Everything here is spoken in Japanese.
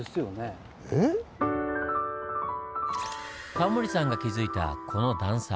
タモリさんが気付いたこの段差。